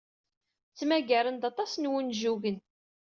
Ttmagaren-d aṭas n wunjugen.